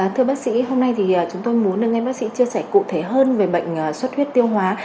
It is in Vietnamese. thưa bác sĩ hôm nay chúng tôi muốn nghe bác sĩ chia sẻ cụ thể hơn về bệnh xuất huyết tiêu hóa